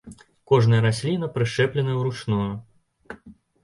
Кожная расліна прышчэпленая ўручную.